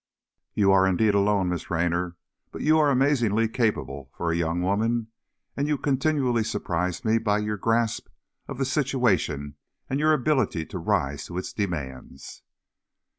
"You are indeed alone, Miss Raynor, but you are amazingly capable for a young woman and you continually surprise me by your grasp of the situation and your ability to rise to its demands."